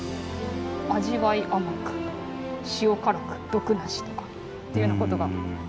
「味わい甘く塩辛く毒なし」とかっていうようなことが書かれてますね。